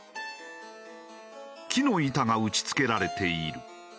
木の板が打ち付けられている。